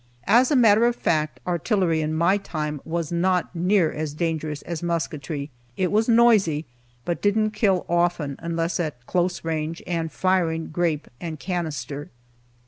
As a matter of fact, artillery in my time was not near as dangerous as musketry. It was noisy, but didn't kill often unless at close range and firing grape and canister.